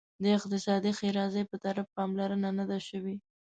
د اقتصادي ښیرازي په طرف پاملرنه نه ده شوې.